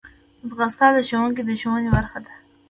ځغاسته د ښوونکي د ښوونې برخه ده